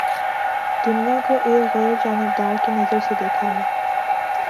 دنیا کو ایک غیر جانبدار کی نظر سے دیکھا ہے